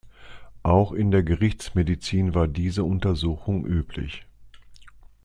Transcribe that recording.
Auch in der Gerichtsmedizin war diese Untersuchung üblich.